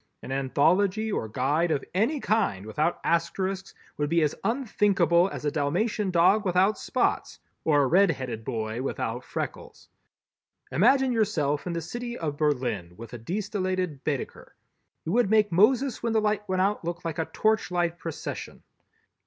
An anthology or guide of any kind without Asterisks would be as unthinkable as a Dalmatian dog without spots or a red headed boy without freckles. Imagine yourself in the city of Berlin with a de stellated Baedeker. You would make Moses when the light went out look like a torchlight procession!